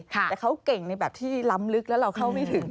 แต่เขาเก่งในแบบที่ล้ำลึกแล้วเราเข้าไม่ถึง